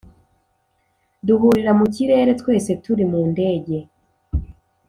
Duhurira mu kirere twese turi mu ndege